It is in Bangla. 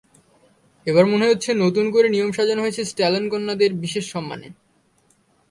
এবার মনে হচ্ছে নতুন করে নিয়ম সাজানো হয়েছে স্ট্যালন কন্যাদের বিশেষ সম্মানে।